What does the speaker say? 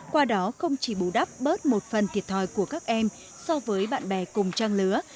qua đó không chỉ bù đắp bớt một phần thiệt thòi của các em so với bạn bè cùng trang lứa